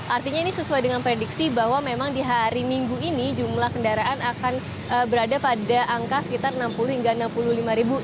artinya ini sesuai dengan prediksi bahwa memang di hari minggu ini jumlah kendaraan akan berada pada angka sekitar enam puluh hingga enam puluh lima ribu